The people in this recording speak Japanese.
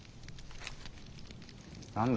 何だ？